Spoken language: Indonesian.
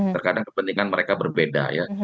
terkadang kepentingan mereka berbeda ya